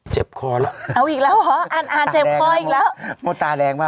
เจ็บคอแล้วเอาอีกแล้วเหรออ่านอ่านเจ็บคออีกแล้วโอ้ตาแรงมาก